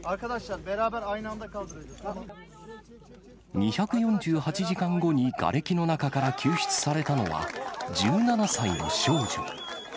２４８時間後にがれきの中から救出されたのは、１７歳の少女。